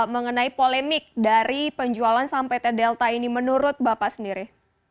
mengenai polemik dari penjualan saham pt delta ini menurut bapak sendiri